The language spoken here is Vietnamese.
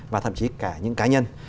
và thậm chí cả những cá nhân